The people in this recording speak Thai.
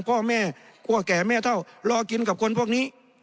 พ่อแม่คั่วแก่แม่เท่ารอกินกับคนพวกนี้